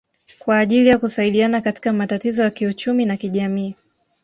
kwa ajili ya kusaidiana katika matatizo ya kiuchumi na kijamii